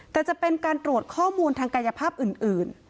แต่จะเป็นการตรวจข้อมูลทางกายภาพอื่น